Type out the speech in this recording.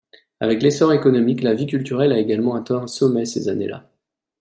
Avec l'essor économique, la vie culturelle a également atteint un sommet ces années-là.